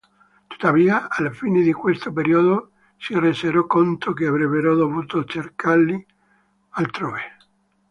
Tuttavia, alla fine di questo periodo si resero conto che avrebbero dovuto cercarli altrove.